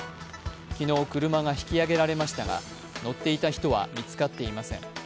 昨日、車が引き揚げられましたが乗っていた人は見つかっていません。